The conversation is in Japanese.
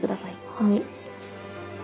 はい。